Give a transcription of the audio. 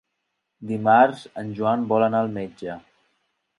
Dimarts en Joan vol anar al metge.